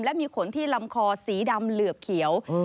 และมีขนที่ลำคอสีดำเหลือบเขียว